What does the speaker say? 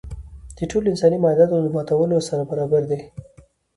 د ټولو انساني معاهداتو له ماتولو سره برابر دی.